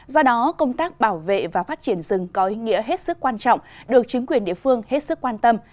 do đó công tác bảo vệ và phát triển rừng có ý nghĩa hết sức quan trọng được chính quyền địa phương hết sức quan tâm